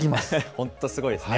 本当すごいですね。